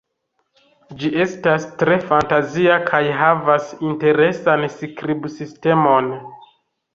Ĝi estas tre fantazia kaj havas interesan skribsistemon.